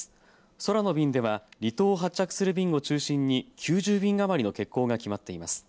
空の便では離島を発着する便を中心に９０便余りの欠航が決まっています。